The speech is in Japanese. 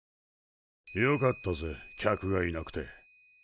よかったぜ客がいなくて。